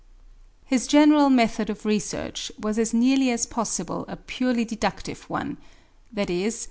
His general method of research was as nearly as possible a purely deductive one: _i.e.